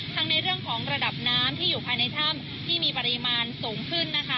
ในเรื่องของระดับน้ำที่อยู่ภายในถ้ำที่มีปริมาณสูงขึ้นนะคะ